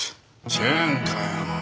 チェーンかよ。